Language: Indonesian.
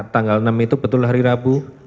tanggal enam itu betul hari rabu